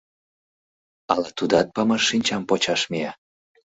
«Ала тудат памашшинчам почаш мия?».